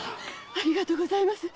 ありがとうございます。